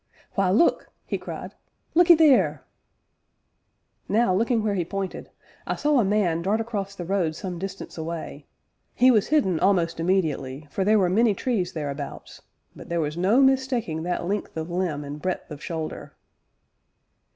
"Why, look!" he cried "look 'ee theer!" Now, looking where he pointed, I saw a man dart across the road some distance away; he was hidden almost immediately, for there were many trees thereabouts, but there was no mistaking that length of limb and breadth of shoulder.